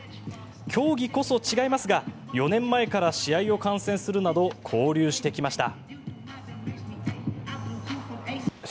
競技こそ違いますが４年前から試合を観戦するなど交流してきました。